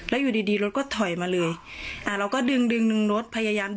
แล้วยุดีรถก็ถอยมาเลย